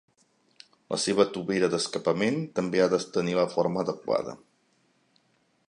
La seva tovera d'escapament també ha de tenir la forma adequada.